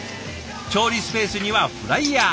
調理スペースにはフライヤー。